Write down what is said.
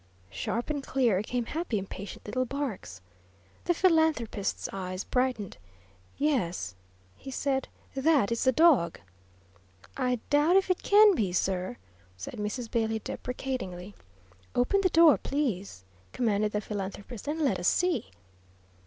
sharp and clear came happy impatient little barks. The philanthropist's eyes brightened. "Yes," he said, "that is the dog." "I doubt if it can be, sir," said Mrs. Bailey, deprecatingly. "Open the door, please," commanded the philanthropist, "and let us see."